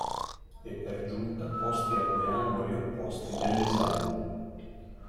E per giunta posti a due angoli opposti dell'esagono…